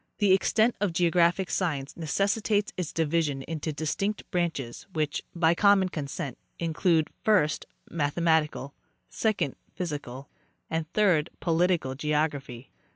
The extent of geographic science necessitates its division into distinct branches, which, by common consent, include, first, mathematical; second, physical, and, third, political geography.